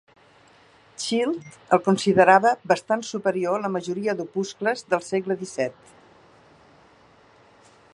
Child el considerava "bastant superior a la majoria d"opuscles del segle XVII".